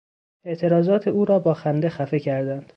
اعتراضات او را با خنده خفه کردند.